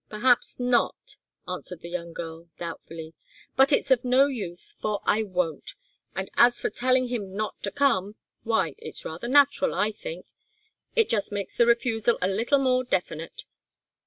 Perhaps not," answered the young girl, doubtfully. "But it's of no use, for I won't. And as for telling him not to come why, it's rather natural, I think. It just makes the refusal a little more definite.